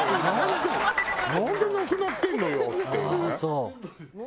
なんでなくなってんのよっていうね。